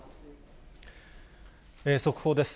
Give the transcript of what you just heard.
速報です。